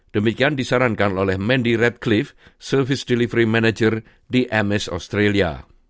demikian disarankan oleh mandy radcliffe service delivery manager di amish australia